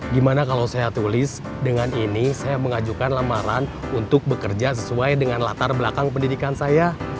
gimana kalau saya tulis dengan ini saya mengajukan lamaran untuk bekerja sesuai dengan latar belakang pendidikan saya